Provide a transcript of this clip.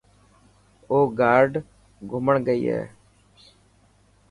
او گارڊ گھمڻ گئي هي.